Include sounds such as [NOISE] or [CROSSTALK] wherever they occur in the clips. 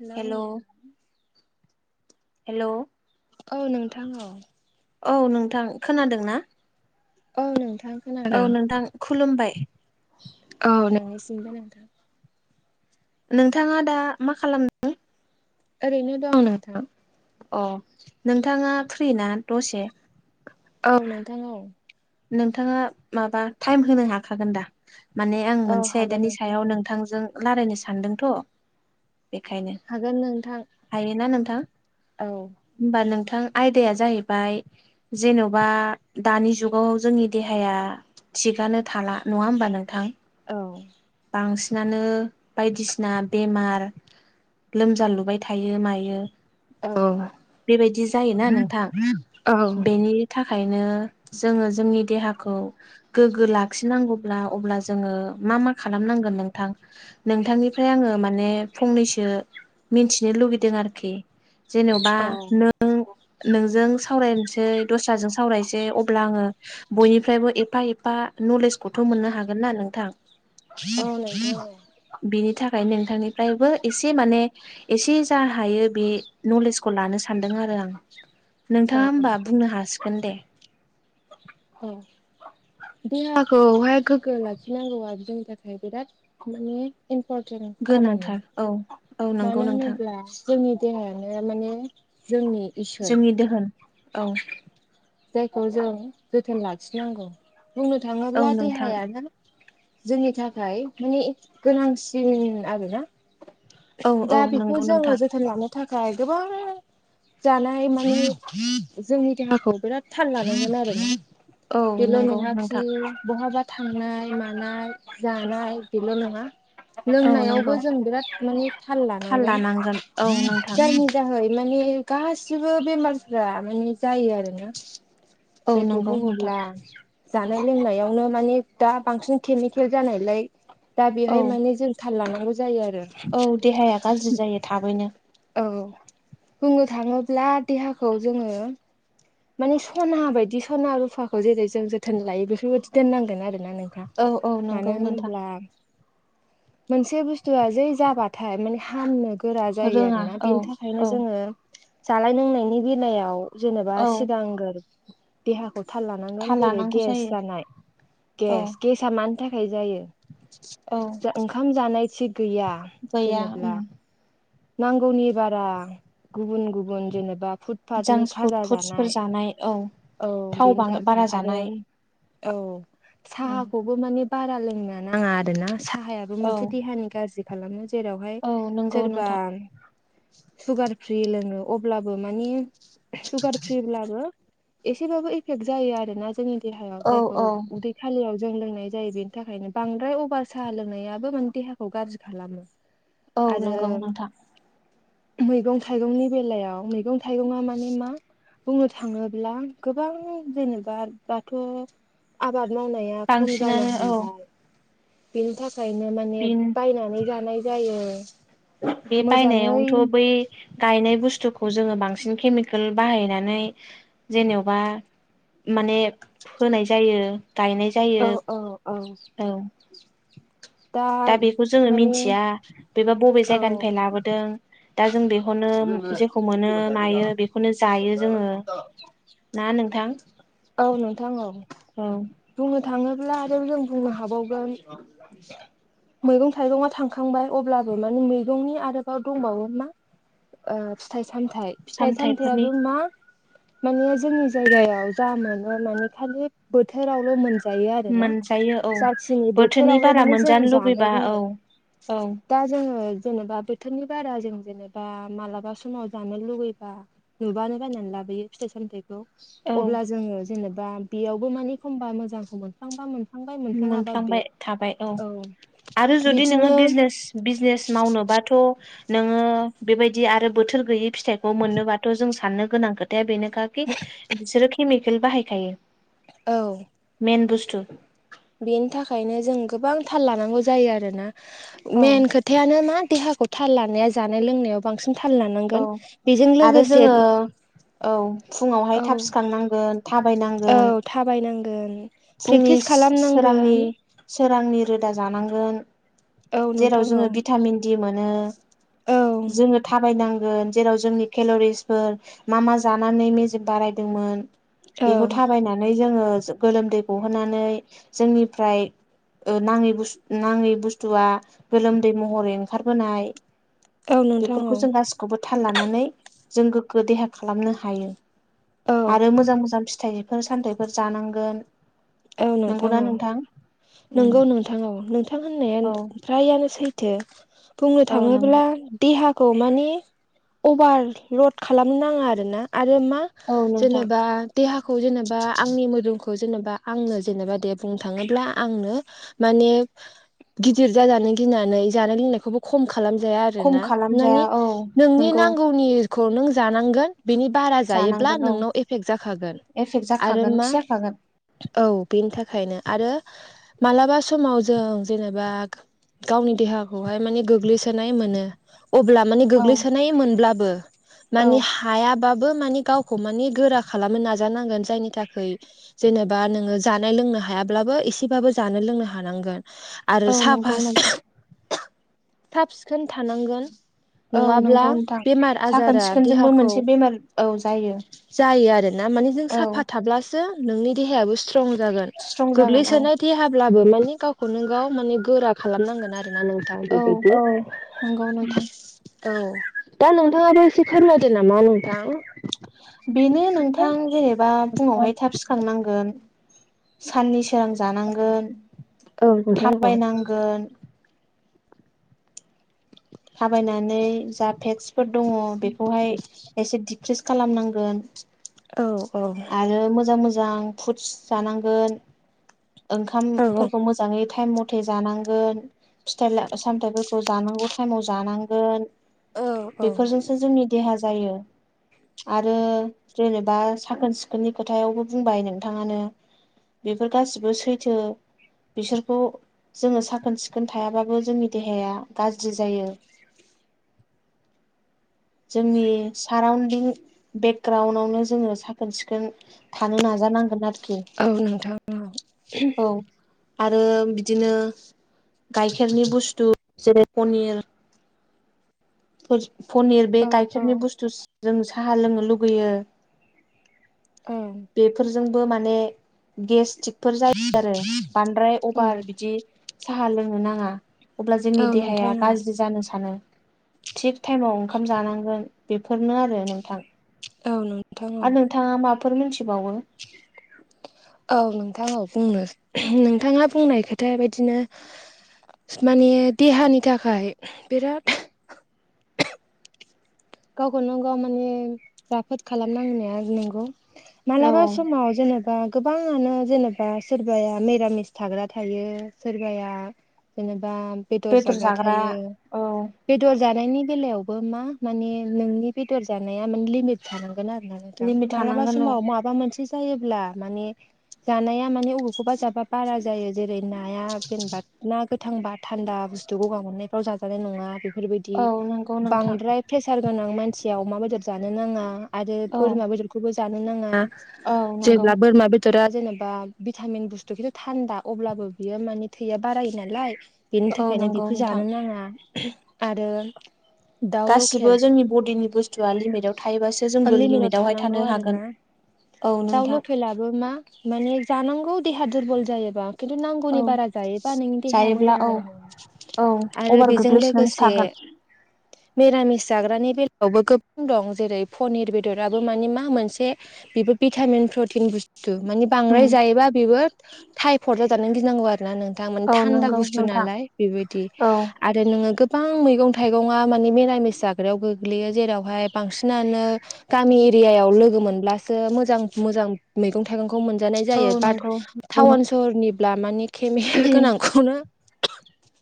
Hello नों hello औ नोंथां औ औ नोंथां खोनादोंना? औ नोंथां। खोनादों औ नोंथां खुलुमबाय। औ नोंनिसिमबो नोंथां। नोंथाङा दा मा खालामदों? ओरै दं नोंथां। अ नोंथाङा फ्रि ना दसे? औ नोंथां औ। नोंथाङा माबा टाइम होनो हाखागोन दा? माने आं औ मोनसे हागोन आयदानि नोंथां सायाव औ नोंथांजों रालायनो सानदोंथ' बेखायनो हागोन नोंथां हायोना नोंथां। औ होमबा नोंथां आयदाया जाहैबाय जेन'बा दानि जुग गाव जोंनि देहाया थिगानो थाला नङा होमबा नोंथां। औ बांसिनानो बायदिसिना बेमार लोमजा लुबाय थायो मायो। औ बेबायदि जायोना नोंथां औ बेनि थाखायनो जोङो जोंनि देहाखौ गोग्गो लाखिनांगौब्ला अब्ला जोङो मा मा खालामनांगोन नोंथां नोंथांनिफ्राय आङो माने फंनैसो मिथिनो लुगैदों आरोखि। जेनेबा नों नोंजों सावरायनोसै दस्राजों सावरायसै। आङो बयनिफ्रायबो एफा एफा नलेजखौथ' मोननो हागोन ना नोंथां। औ नंगौ बिनि थाखाय नोंथांनिफ्रायबो एसे माने एसे जा हायो बे नलेजखौ लानो सानदों आरो आं औ नोंथाङा होमबा बुंनो हासिगोन दे। औ देहाखौहाय गोग्गो लाखिनांगौआ जोंनि थाखाय बिराद माने इम्परटेन्ट खामानि गोनांथार औ औ नंगौ मानो नोंथां होनोब्ला जोंनि देहायानो माने जोंनि इसोर जोंनि दोहोन औ जायखौ जों जोथोन लाखिनांगौ बुंनो औ थाङोब्ला नोंथां देहायानो जोंनि थाखाय माने गोनांसिन आरो ना। औ औ दा बेखौ नंगौ नोंथां जोङो जोथोन लानो थाखाय गोबां जानाय माने जोंनि देहाखौ बिराद थाल लानांगोन आरो। औ बेल' नंगौ नङाखि नोंथां बहाबा थांनाय मानाय जानाय बेल' नङा औ लोंनायावबो नंगौ जों बिराद माने थाल लानांगोन जायनि जाहै माने गासिबो बेमारफ्रा माने जायो आरोना। औ जायखौ नंगौ नोंथां बुङोब्ला जानाय लोंनायावनो माने दा बांसिन केमिकेल जानायलाय दा औ बेहाय माने जों थाल लानांगौ जायो आरो। औ देहाया गाज्रि जायो थाबैनो। औ बुंनो थाङोब्ला देहाखौ जोङो माने सना बायदि सना रुफाखौ जेरै जों जोथोन लायो बेफोरबायदि दोननांगोन आरो ना नोंथां। औ औ नंगौ मानो नोंथां होनोब्ला मोनसे बुस्थुआ जै जाबाथाय माने हामनो गोरा जायो रोङा आरोना औ बेनि थाखायनो औ जोङो जानाय लोंनायनि बेलायाव जेनेबा औ सिगांग्रो देहाखौ थाल लानांगोन जेरै लानांगौ गेस जायो जानाय औ गेस गेस सा मानि थाखाय जायो औ ओंखाम जानाय थिग गैया गैया जेनेब्ला ओम नांगौनि बारा गुबुन गुबुन जेनेबा फुटपाथनि खाजा जानाय नाय औ औ थाव बेनि थाखाय बारा आरो जानाय औ उम साहाखौबो माने बारा लोंनो नाङा आरोना साहाया बेबो औ मोनसे देहानि गाज्रि खालामो जेरावहाय औ नंगौ सोरबा नोंथां सुगार फ्रि लोङो अब्लाबो मानि सुगार फ्रिब्लाबो एसेबाबो एफेक्ट जायो आरो ना जोंनि देहायाव औ जायखौ औ उदै खालियाव जों लोंनाय जायो बेनि थाखायनो बांद्राय अभार साहा लोंनायाबो माने देहाखौ गाज्रि खालामो। [INAUDIBLE] आरो नंगौ नोंथां मैगं थाइगंनि बेलायाव मैगं थाइगंआ माने मा बुंनो थाङो गोबां जेनेबा दाथ' आबाद मावनाया खम बांसिनानो जानो औ हमबाय बेनि थाखायनो माने बिन बायनानै जानाय जायो बे मोजाङै बायनायावनोथ' बै गायनाय बुसथुखौ जोङो बांसिन केमिकेल बाहायनानै जेनेबा माने फोनाय जायो गायनाय जायो औ औ औ दा बेखौ जोङो माने मिथिया बेबा बबे औ जायगानिफ्राय लाबोदों दा जों बेखौनो जेखौ मोनो मायो बेखौनो जायो जोङो ना नोंथां औ नोंथां औ औ बुंनो थाङोब्ला आरो जों बुंनो हाबावगोन मैगं थाइगंया थांखांबाय अब्लाबो माने मैगंनि आरोबाव दंबावो मा ओ फिथाइ सामथाइ फिथाइ सामथाइफोरनि सामथायाबो मा माने जोंनि जायगायाव जा मोनो माने खालि बोथोरावल' मोन- जायो आरोना मोनजायो औ जाखिनि बोथोरनि बोथोरावल' बारा माने जों मोनजानो जानो लुबैबा औ रोङो। औ दा जोङो जेनेबा बोथोरनि बारा जों जेनेबा मालाबा समाव जानो लुुबैबा नुबानो बायनानै लाबोयो फिथाइ सामथाइखौ औ अब्ला जोङो जेनेबा बेयावबो मानि एखमबा मोजांखौ मोनफ्लांबा मोन- मोनफ्लांबाय थाबाय औ आरो जुदि नोङो बिदिनो बिजनेस बिजनेस मावनोबाथ' नोङो बेबायदि आरो बोथोर गैयै फिथाइखौ मोननोबाथ' जों साननो गोनां खोथाया बेनोखा कि बिसोरो केमिकेल बाहायखायो। औ मेन बुसथु बेनि थाखायनो जों गोबां थाल लानांगौ जायो आरोना औ मेन खोथा थायानो मा देहाखौ थाल लानाया जानाय लोंनायाव बांसिन थाल लाना औ आरो जोङो औ औ फुङावहाय थाब सिखांनां- गोन औ थाबायनांगोन थाबायनांगोन फुंनि प्रेक्टिस सोरांनि खालामनांगोन सोरांनि रोदा जानांगोन औ जेराव नोंथां जोङो औ भिटामिन दि मोनो औ जोङो थाबायनांगोन जेराव जोंनि केल'रिसफोर मा मा जानानै मेजेम बारायदोंमोन औ बेखौ थाबायनानै जोङो गोलोमदै गहोनानै जोंनिफ्राय ओ नाङै बुस नाङि बुस्थुआ गोलोमदै महरै ओंखारबोनाय औ नोंथां बेफोरखौ औ जों गासिखौबो थाल लानानै जों गोग्गो देहा खालामनो हायो। औ आरो मोजां मोजां फिथाइफोर सामथाइफोर जानांगोन औ नोंथां औ उम नंगौ नोंथां औ नोंथां होननाया औ फ्रायानो सैथो। बुंनो औ नंगौ थाङोब्ला देहाखौ मानि अभार लड खालामनो नाङा आरोना आरो मा औ नोंथां जेनेबा देहाखौ जेनेबा आंनि मोदोमखौ जेनेबा आंनो जेनेबा दे बुंनो थाङोब्ला आंनो माने गिदिर जाजानो गिनानै जानाय लोंनायखौबो खम खालामजाया खम आरोना खालामजाया मानि औ नोंनि नंगौ नांगौनिखौ नों जानांगोन बिनि बारा जायोब्ला जानांगोन औ नोंनाव एफेक्ट जाखागोन एफेक्ट आरो जाखागोनखि मा जाखागोन औ बेनि थाखायनो आरो मालाबा समाव जों जेनेबा गावनि देहाखौहाय माने गोग्लैसोनाय मोनो अब्ला माने औ गोग्लैसोनाय मोनब्लाबो औ माने हायाबाबो मानि गावखौ मानि गोरा खालामनो नाजानांगोन जायनि थाखाय जेनेबा नोङो जानो लोंनो हायाब्लाबो एसेबाबो जानो लोंनो हानांगोन आरो औ नंगौ साफा नोंथां साब सिखोन थानांगोन औ नङाब्ला नंगौ नोंथां बेमार साखोन आजारा सिखोनजोंबो देहाखौ मोनसे बेमार औ जायो जायो आरो ना माने जों औ साफा थाब्लासो नोंनि देहायाबो स्ट्रं जागोन स्ट्रं जागोन औ गोग्लैसोनाय देहाब्लाबो मानि गावखौनो गाव माने गोरा खालामनांगोन आरो ना नों थां औ बेबादि नंगौ नोंथां औ दा नोंथाङाबो एसे फोरमायदो नामा नोंथां बेनो नोंथां जेनेबा औ फुङावहाय थाब सिखारनांगोन साननि सोरां जानांगोन नोंथां औ थाबायनांगोन थाबायनानै जा फेक्सफोर दङ बेखौहाय एसे दि प्रेक्टिस खालामनांगोन औ औ आरो मोजां मोजां फुदस जानांगोन औ ओंखामफोरखौ मोजाङै टाइम म थे जानांगोन फिथाइ सामथायफोरखौ जानांगौ टाइमाव जानांगोन औ औ बेफोरजोंसो जोंनि देहा जायो आरो जेनेबा साखोन सिखोननि खोथायावबो बुंबाय नोंथाङानो बेफोर गासिबो सैथो बिसोरखौ जोङो साखोन सिखोन थायाबाबो जोंनि देहाया गाज्रि जायो जोंनि साराउन्दिं बेकग्राउन्डआवनो जोङो साखोन सिखोन थानो नाजानांगोन आरोखि औ नोंथां औ औ आरो बिदिनो गाइखेरनि बुस्थु जेरै पनिर पनिर बे औ गाइखेरनि बुस्थु जों साहा लोंनो लुगैयो [UNINTELLIGIBLE] बेफोरजोंबो माने गेसथिकफोर जायो आरो बांद्राय औ अभार बिदि साहा लोंनो नाङा अब्ला जोंनि नोंथां देहाया औ गाज्रि जानो सानो थिग टाइमाव ओंखाम जानांगोन बेफोरनो आरो नोंथां औ नोंथां औ मोनथिबावो औ नोंथां औ बुंनो नोंथाङा बुंनाय खोथा बायदिनो माने देहानि थाखाय बिराद गावखौनो गाव माने राफोद खालामनांनाया नंगौ औ मालाबा समाव जेनेबा गोबाङानो जेनेबा सोरबाया मिरामिस थाग्रा थायो सोरबाया जेनेबा बेदर जाग्रा थायो औ बेदर जानायनि बेलायावबो मा मानि नोंनि बेदर जानाया माने लिमिट थानांगोन आरो ना नोंथां लिमिट मालाबा थानांगोन औ समाव मा बा मोनसे जायोब्ला माने जानाया माने बबेखौबा जाबा बारा जायो जेरै नाया जेनेबा ना गोथांबा थान्दा बुस्थु गगा मोननायफ्राव जाजानाय नङा बेफोरबाय दि औ नंगौ नोंथां बांद्राय फ्रेसार गोनां मानसिया अमा बेदर जानो नाङा आरो औ बोरमा बेदरखौबो जानो नाङा औ नंगौ जेब्ला बोरमा बे दरा जेनेबा भिटामिन बुस्थु खिन्थु थान्दा अब्लाबो बियो माने थैया बारायो नालाय बेनि औ थाखायनो नंगौ बेखौ नोंथां जानो नाङा आरो दाउ गासिबो लकेल जोंनि बडिनि बुस्थुआ लिमिटाव थायोबासो जोंबो लिमिटाव लिमिटावहाय थानांगौ थानो आरोना हागोन औ दाउ नोंथां लकेेलबो मा माने जानांगौ देहा दुरबल जायोबा खिन्थु नांगौनि औ बारा जायोबा नोंनि देहाया मोजां जायोब्ला औ जानाय औ नङा आरो अभार बेजों गोग्लैसोनानैसो लोगोसे थागोन [INAUDIBLE] मिरामिस जाग्रानि बेलायावबो गोबां दं जेरै पनिर बेदराबो मानि मा मोनसे बेबो भिटामिन प्रटिन बुस्थु माने उम बांद्राय जायोबा बेबो टाइपद जाजानानै गिनांगौ आरोना नों दा माने औ थान्दा नंगौ गुसु नोंथां नालाय बेबायदि औ आरो नोङो गोबां मैगं थाइगङा माने निरामिस जाग्रायाव गोग्लैयो जेरावहाय बांसिनानो गामि एरियायाव लोगो मोनब्लासो मोजां मोजां मैगं थाइगंखौ मोनजानाय औ जायो बाट नंगौ नंगौ नों टाउन सहरनिब्ला माने केमेकेल गोनांखौनो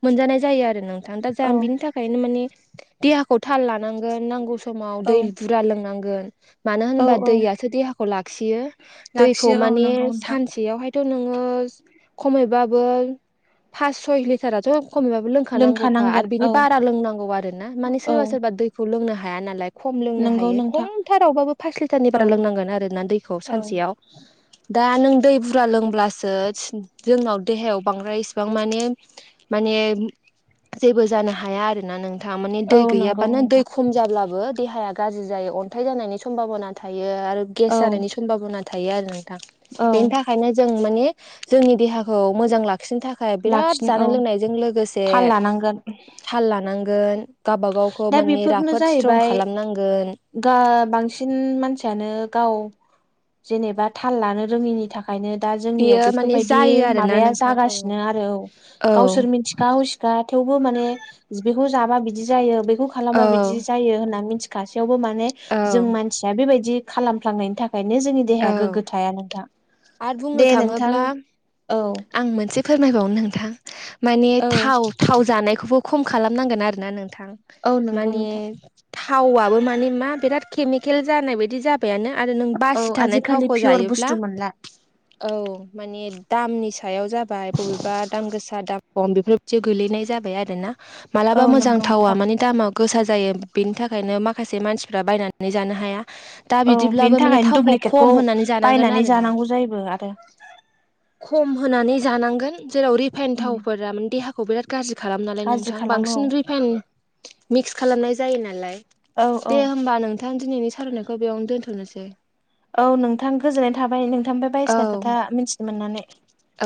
मोनजानाय जायो आरो नोंथां दा जा बिनि औ थाखाय बे ओंखायनो माने देहाखौ थाल लानांगोन नांगौ समाव दै बुरजा लोंनांगोन मानो औ होनोबा औ दैयासो देहाखौ लाखियो दैखौ लाखियो औ माने नंगौ नोंथां सानसेयावहाय नोङो फास सय लिथाराथ खमैब्लाबो लोंखानांगोन लोंखानांगौखा लोंखानांगोन आरो बिनि औ बारा लोंनांगौ आरोना माने औ सोरबा सोरबा दैखौ लोंनो हाया नालाय खम लोंनो नंगौ हायो नोंथां खमथारावबाबो पास लिटारनि बारा औ लोंनांगोन आरोना दैखौ औ सानसेयाव दा नों दै बुरजा लोंब्लासो जोंनाव देहायाव बांद्राय इसिबां माने माने जेबो जानो हाया आरोना नों थां माने औ दै नंगौ गैयाबानो दै नोंथां खम जाब्लाबो देहाया गाज्रि जायो अन्थाइ जानायनि सम्भाबना थायो आरो गेस औ जानायनि समभना थायो आरो नोंथां औ बेनि थाखायनो जों माने जोंनि देहाखौ मोजां लाखि नो थाखाय बिराद लाखिनो जानाय औ लोंनायजों लोगोसे थाल लानांगोन थाल लानांगोन गावब गावखौ दा माने बेफोरनो राफोद स्ट्रं जाहैबाय खालामनांगोन गा बांसिन मानसियानो गाव जेनेबा थाल लानो रोङिनि थाखाय ओंखायनो दा जोंनियाव बेयो माने बेफोरबायदि जायो आरोना माबाया नोंथां औ जागासिनो आरो औ औ गावसोर मिथि गाव सिखा थेवबो माने बेखौ जाबा बिदि जायो बेखौ खालामबा औ बिदि जायो होनना मिथि खासेयावबो माने औ जों मानसिया बेबायदि खालामफ्लांनायनि थाखायनो जोंनि औ देहाया गोग्गो थाया नोंथां आरो बुंनो दे नोंथां थाङोब्ला औ आं मोनसे फोरमायबावनो नोंथां माने थाव थाव जानायखौबो खम खालामनांगोन आरोना नोंथां औ नंगौ माने नोंथां थावबो माने मा बिराद केमिकेल जानाय बायदि जाबाय यानो आरो नों औ बासि थानाय आजिखालि थावखौ पियर जायोब्ला बुस्थु मोनला औ माने दामनि सायाव जाबाय बबेबा दाम गोसा दाम खम बेफोरदि गोलैनाय जाबाय आरोना मालाबा औ मोजां नंगौ थावा नोंथां माने दामा गोसा जायो बेनि थाखायनो माखासे मानसिफ्रा बायनानै जानो हाया दा औ बेनि बिदिब्लाबो माने थाखायनो थावखौ खम दुप्लिकेटखौ होनानै जानांगोन बायनानै आरो ना जानांगौ जायोबो आरो खम होनानै जानांगोन जेराव रिफाइन थावफोराे देहाखौ बिराद गाज्रि खालाम नालाय गाज्रि नोंथां खालामो बांसिन रिफाइन मिक्स खालामनाय जायो नालाय औ औ औ दे होमबा नोंथां दिनैनि सावरायनायखौ बेयावनो दोनथनोसै औ नोंथां गोजोननाय थाबाय नोंथांनिफ्राय औ बायदिसिना खोथा मिथिनो मोननानै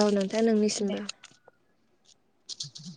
औ नोंथां दे नोंनिसिमबो [INAUDIBLE]